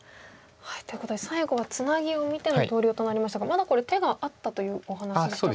ということで最後はツナギを見ての投了となりましたがまだこれ手があったというお話でしたが。